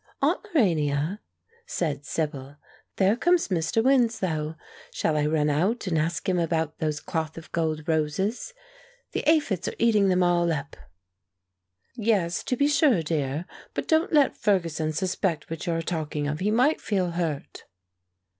"Aunt Lorania," said Sibyl, "there comes Mr. Winslow. Shall I run out and ask him about those cloth of gold roses? The aphides are eating them all up." "Yes, to be sure, dear; but don't let Ferguson suspect what you are talking of; he might feel hurt."